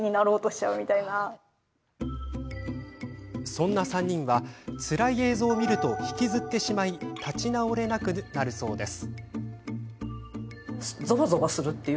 そんな３人はつらい映像を見ると引きずってしまい立ち直れなくなるそうです。